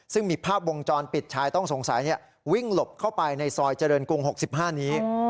ซึ่งมีภาพวงจรปิดชายต้องสงสัยวิ่งหลบเข้าไปในซอยเจริญกรุง๖๕นี้